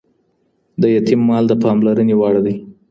د يتيم مال د پاملرنې وړ دی.